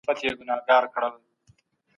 دورکهايم کوم علتونه رد کړل؟